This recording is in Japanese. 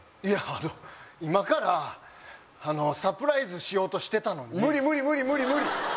いやあの今からサプライズしようとしてたのに無理無理無理